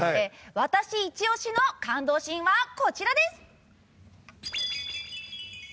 私イチ押しの感動シーンはこちらです！